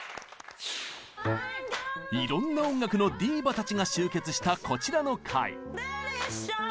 いろんな音楽のディーヴァたちが集結したこちらの回。